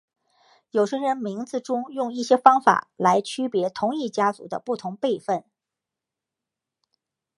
有些人名字中用一些方法来区别同一个家族的不同辈分。